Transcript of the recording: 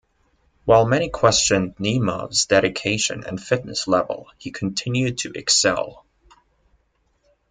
While many questioned Nemov's dedication and fitness level, he continued to excel.